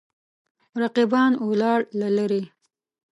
رقیبان ولاړ له لرې.